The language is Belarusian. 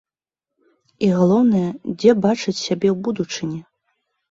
І галоўнае, дзе бачаць сябе ў будучыні?